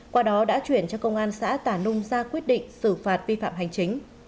qua đó đã chuyển cho công an xã tà nung ra quyết định xử phạt vi phạm hành chính